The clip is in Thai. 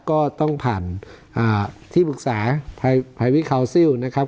ก็ต้องผ่านอ่าที่ปรึกษาภายภายวิเคราซิลนะครับ